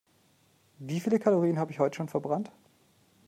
Wie viele Kalorien habe ich heute schon verbrannt?